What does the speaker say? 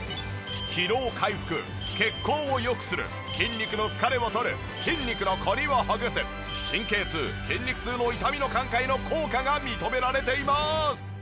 疲労回復血行を良くする筋肉の疲れをとる筋肉のコリをほぐす神経痛・筋肉痛の痛みの緩解の効果が認められています。